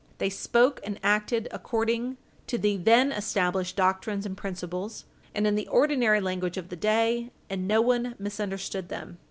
They spoke and acted according to the then established doctrines and principles, and in the ordinary language of the day, and no one misunderstood them.